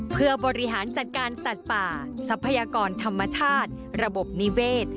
เพื่อบริหารจัดการสัตว์ป่าทรัพยากรธรรมชาติระบบนิเวศ